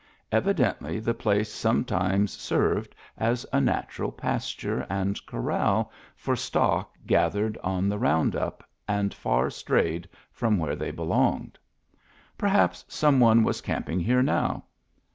Evidently the place sometimes served as a natural pasture and corral for stock gathered on the round up and far strayed from where they belonged. Perhaps some one was camping here now.